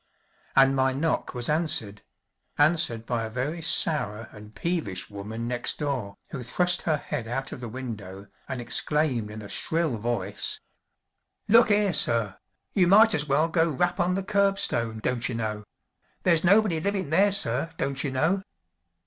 And my knock was answered answered by a very sour and peevish woman next door, who thrust her head out of the window, and exclaimed in a shrill voice: "Look 'ere, sir, you might as well go rap on the curb stone, don't you know; there's nobody livin' there, sir, don't you know!"